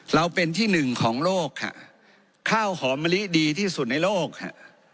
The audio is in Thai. เราเป็นที่หนึ่งของโลกค่ะข้าวหอมมะลิดีที่สุดในโลกค่ะ